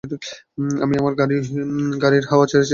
আমি আমাদের গাড়িরও হাওয়া ছেড়েছি।